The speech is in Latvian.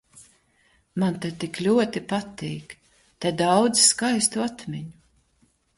Man te tik ļoti patīk. Te daudz skaistu atmiņu.